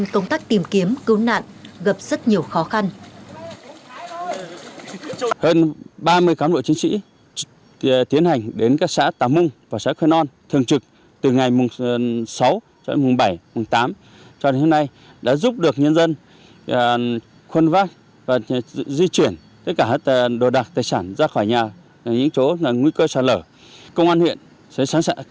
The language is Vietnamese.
không có tiếp cận nên công tác tìm kiếm cứu nạn gặp rất nhiều khó khăn